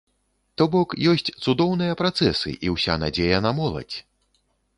То бок, ёсць цудоўныя працэсы, і ўся надзея на моладзь!